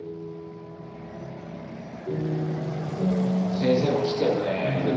先生もきてるねえグッと。